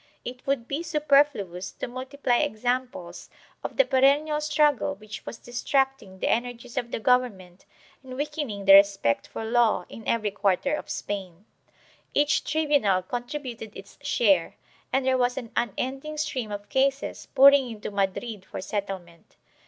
* It would be superfluous to multiply examples of the perennial struggle which was distracting the energies of the government and weakening the respect for law in every quarter of Spain. Each tribunal contributed its share, and there was an unending stream of cases pouring into Madrid for settlement.